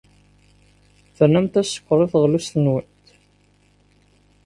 Ternamt-as sskeṛ i teɣlust-nwent.